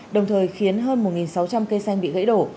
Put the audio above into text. đồng thời khiến hơn một sáu trăm linh cây xanh bị gãy đổ